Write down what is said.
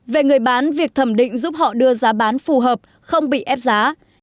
về người bán việc thẩm định giúp họ đưa giá bán phù hợp không bị ép giá